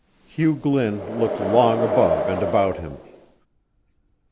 Hugh Glynn looked long above and about him.